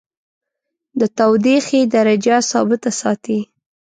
د تودیخي درجه ثابته ساتي.